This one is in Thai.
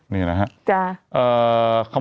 นี่นะครับ